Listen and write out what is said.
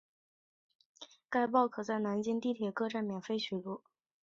该报可在南京地铁各站台口免费取阅。